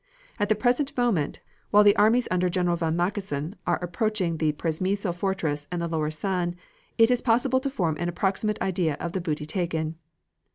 At the present moment, while the armies under General von Mackensen are approaching the Przemysl fortresses and the lower San, it is possible to form an approximate idea of the booty taken.